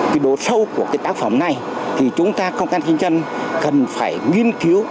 cái độ sâu của cái tác phẩm này thì chúng ta công an nhân dân cần phải nghiên cứu